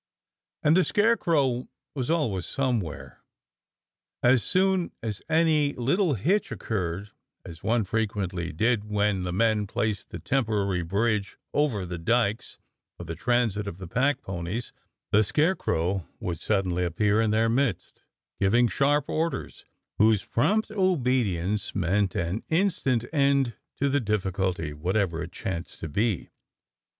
And the Scarecrow was always somewhere. As soon as any little hitch occurred — as one frequently THE SCARECROW'S LEGION 203 did when the men placed the temporary bridge over the dykes for the transit of the pack ponies — the Scare crow would suddenly appear in their midst, giving sharp orders, whose prompt obedience meant an instant end to the difficulty, wdiatever it chanced to be.